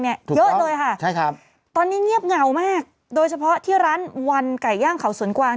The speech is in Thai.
เยอะเลยค่ะใช่ครับตอนนี้เงียบเหงามากโดยเฉพาะที่ร้านวันไก่ย่างเขาสวนกวาง